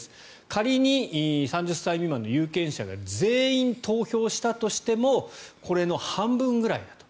仮に３０歳未満の有権者が全員投票したとしてもこれの半分ぐらいだと。